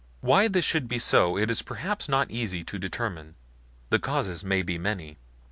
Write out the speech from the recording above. Why this should be so, it is perhaps not easy to determine. The causes may be many.